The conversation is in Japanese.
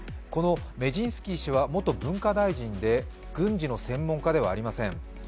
このメジンスキー氏は元文化大臣で軍事の専門家ではありません。